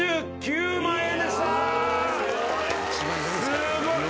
すごい！